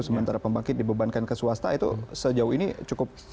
sementara pembangkit dibebankan ke swasta itu sejauh ini cukup